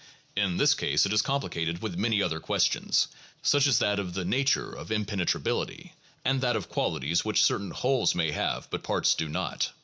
In this case it is complicated with many other questions, such as that of the nature of impenetrability, and that of qualities which certain wholes may have but parts do not.